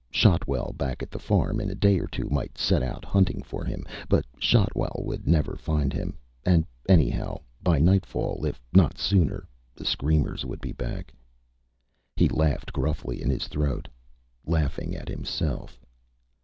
Shotwell, back at the farm, in a day or two might set out hunting for him. But Shotwell would never find him. And anyhow, by nightfall, if not sooner, the screamers would be back. He laughed gruffly in his throat laughing at himself.